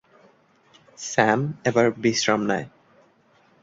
Sam এবার বিশ্রাম নেয়।